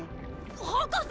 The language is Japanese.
博士！